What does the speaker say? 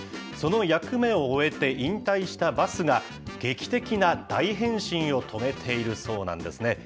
その役目を終えて引退したバスが、劇的な大変身を遂げているそうなんですね。